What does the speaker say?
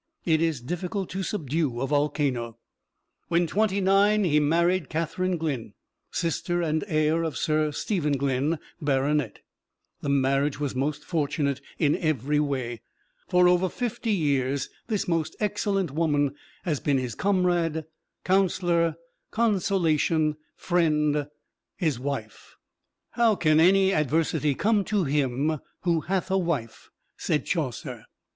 It is difficult to subdue a volcano. When twenty nine, he married Catherine Glynne, sister and heir of Sir Stephen Glynne, Baronet. The marriage was most fortunate in every way. For over fifty years this most excellent woman has been his comrade, counselor, consolation, friend his wife. "How can any adversity come to him who hath a wife?" said Chaucer.